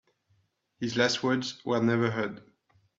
His last words were never heard.